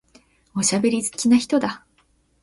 おしゃべり好きな人だ。